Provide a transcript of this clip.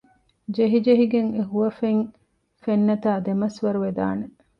ޖެހިޖެހިގެން އެހުވަފެން ފެންނަތާ ދެމަސްވަރުވެދާނެ